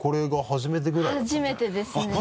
初めてですね。